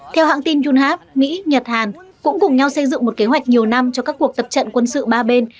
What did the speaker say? theo hãng tin junhap mỹ nhật hàn cũng cùng nhau xây dựng một kế hoạch nhiều năm cho các cuộc tập trận quân sự ba bên